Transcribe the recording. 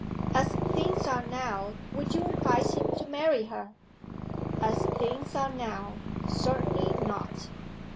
"As things are now would you advise him to marry her?" "As things are now certainly not!"